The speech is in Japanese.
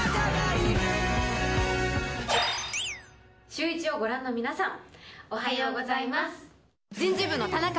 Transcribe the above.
シューイチをご覧の皆さん、おはようございます。